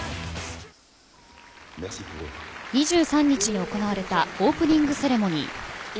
２３日に行われたオープニングセレモニー。